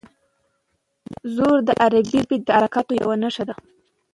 زور د عربي ژبې د حرکاتو یوه نښه ده.